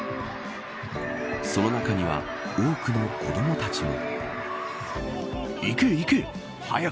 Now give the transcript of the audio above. その中には多くの子どもたちも。